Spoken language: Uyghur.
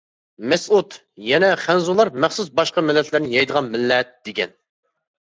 مەسئۇد «يەنە خەنزۇلار مەخسۇس باشقا مىللەتلەرنى يەيدىغان مىللەت دېگەن» .